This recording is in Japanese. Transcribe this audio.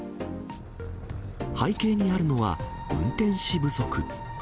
背景にあるのは、運転士不足。